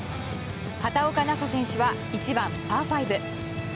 畑岡奈紗選手は１番、パー５。